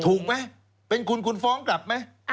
ถูกไหมเป็นคุณคุณฟ้องกลับไหม